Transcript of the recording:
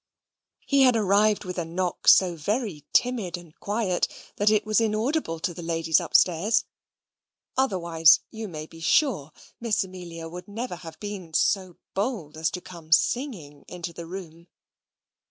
He had arrived with a knock so very timid and quiet that it was inaudible to the ladies upstairs: otherwise, you may be sure Miss Amelia would never have been so bold as to come singing into the room.